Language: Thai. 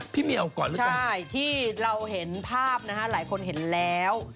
พี่เมียวก่อนหรือเปล่าใช่ที่เราเห็นภาพนะฮะหลายคนเห็นแล้ว